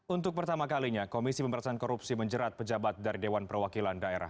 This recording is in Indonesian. untuk pertama kalinya komisi pemberantasan korupsi menjerat pejabat dari dewan perwakilan daerah